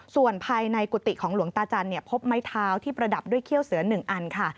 ส่วนภายในกุฏิของหลวงตาจันทร์พบไม้เท้าที่ประดับด้วยเขี้ยวเสือ๑อันค่ะ